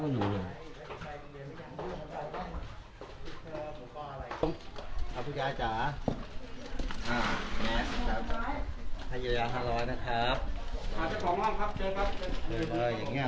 ขอบคุณครับพุทธกาจา